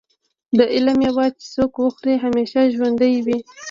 د علم مېوه چې څوک وخوري همیشه ژوندی وي.